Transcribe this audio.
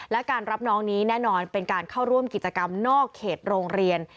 และการรับน้องนี้แน่นอนเป็นการเข้าร่วมกิจกรรมนอกเขตโรงเรียน